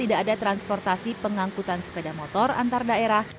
tidak ada transportasi pengangkutan sepeda motor antar daerah